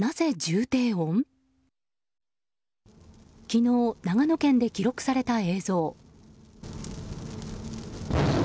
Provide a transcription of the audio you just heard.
昨日、長野県で記録された映像。